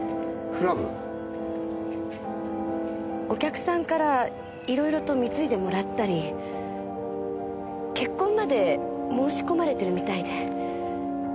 お客さんからいろいろと貢いでもらったり結婚まで申し込まれているみたいで。